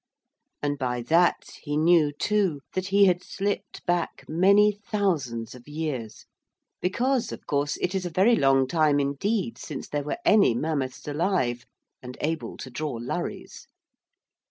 And by that he knew, too, that he had slipped back many thousands of years, because, of course, it is a very long time indeed since there were any mammoths alive, and able to draw lurries.